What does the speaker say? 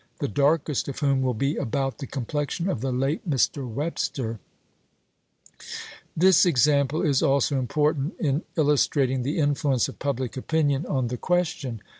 ^(3QiQj.g(^^^ i}^Q darkest of whom will be about the p.' 559. ■' complexion of the late Mr. Webster." This example is also important in illustrating the influence of public opinion on the question.